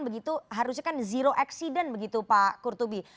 begitu harusnya kan zero accident begitu pak kurtubi